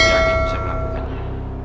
ibu yakin bisa melakukannya